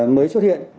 mới xuất hiện